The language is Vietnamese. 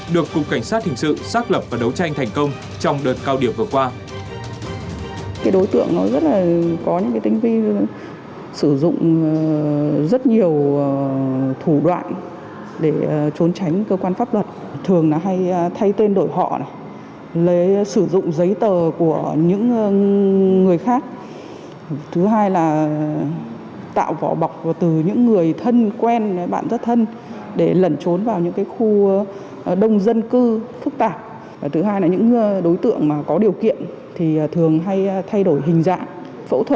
được cục cảnh sát hình sự xác lập và đấu tranh thành công trong đợt cao điểm vừa qua